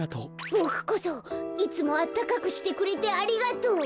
ボクこそいつもあったかくしてくれてありがとう。